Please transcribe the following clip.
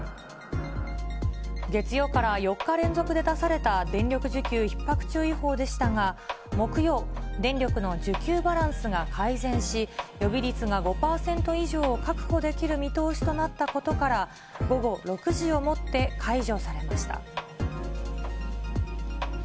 月曜から４日連続で出された電力需給ひっ迫注意報でしたが、木曜、電力の需給バランスが改善し、予備率が５％以上を確保できる見通しとなったことから、午後６時をもって解除されました。